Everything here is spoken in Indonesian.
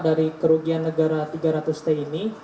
dari kerugian negara tiga ratus t ini